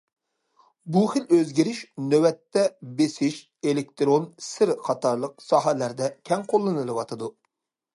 بۇ خىل ئۆزگىرىش نۆۋەتتە بېسىش، ئېلېكتىرون، سىر قاتارلىق ساھەلەردە كەڭ قوللىنىلىۋاتىدۇ.